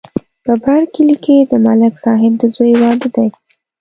په بر کلي کې د ملک صاحب د زوی واده دی.